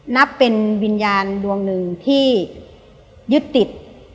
นับเป็นวิญญาณดวงหนึ่งที่ยึดติด